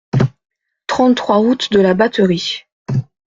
trente-trois route de la Batterie